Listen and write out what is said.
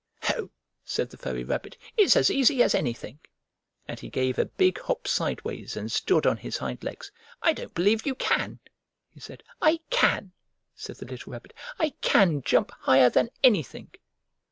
"Ho!" said the furry rabbit. "It's as easy as anything," And he gave a big hop sideways and stood on his hind legs. "I don't believe you can!" he said. "I can!" said the little Rabbit. "I can jump higher than anything!"